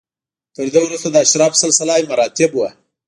تر ده وروسته د اشرافو سلسله مراتب و